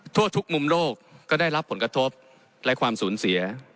ทั่วทุกมุมโลกก็ได้รับผลกระทบและความสูญเสีย